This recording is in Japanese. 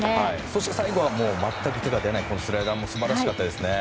そして最後は全く手が出ないスライダーも素晴らしかったですね。